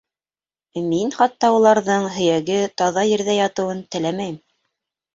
— Мин хатта уларҙың һөйәге таҙа ерҙә ятыуын теләмәйем.